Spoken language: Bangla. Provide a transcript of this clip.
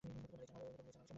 তোমার এই চামার মুসলমান দেবতা?